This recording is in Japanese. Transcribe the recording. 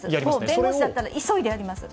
弁護士だったら、急いでやります。